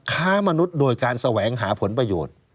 ค้ามนุษย์โดยการแสวงหาผลประโยชน์